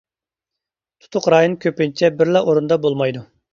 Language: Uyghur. تۇتۇق رايون كۆپىنچە بىرلا ئورۇندا بولمايدۇ.